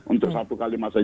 untuk satu kali masa